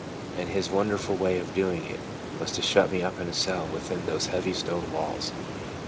And his wonderful way of doing it was to shut me up in a cell within those heavy stone walls.